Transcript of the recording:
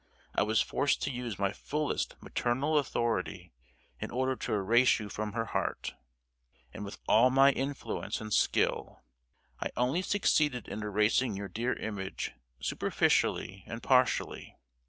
I was forced to use my fullest maternal authority in order to erase you from her heart; and with all my influence and skill I only succeeded in erasing your dear image superficially and partially!